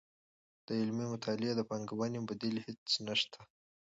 د علمي مطالعې د پانګوونې بدیل هیڅ نشته.